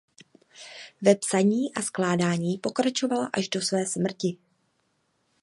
Ve psaní a skládání pokračovala až do své smrti.